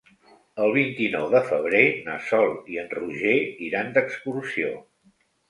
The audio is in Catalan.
El vint-i-nou de febrer na Sol i en Roger iran d'excursió.